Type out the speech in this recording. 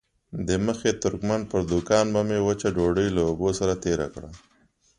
د مخي ترکمن پر دوکان به مې وچه ډوډۍ له اوبو سره تېره کړه.